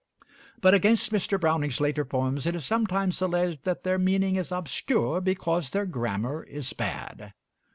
But against Mr. Browning's later poems it is sometimes alleged that their meaning is obscure because their grammar is bad.